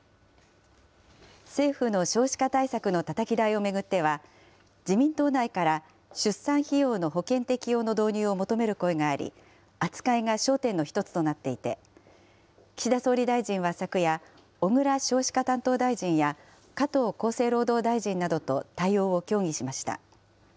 政府の少子化対策のたたき台を巡っては、自民党内から出産費用の保険適用の導入を求める声があり、扱いが焦点の一つとなっていて、岸田総理大臣は昨夜、小倉少子化担当大臣や、加藤厚生労働大臣などと対応を協議しました。